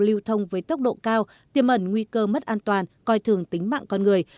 lưu thông với tốc độ cao tiêm ẩn nguy cơ mất an toàn coi thường tính mạng con người